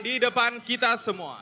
di depan kita semua